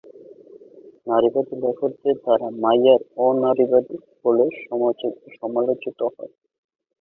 নারীবাদী লেখকদের দ্বারা মাইয়ার অ-নারীবাদী বলে সমালোচিত হয়েছেন।